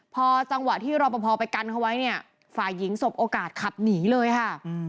พอจังหวะที่รอปภไปกันเขาไว้เนี่ยฝ่ายหญิงสบโอกาสขับหนีเลยค่ะ